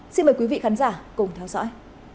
xin mời quý vị khán giả cùng theo dõi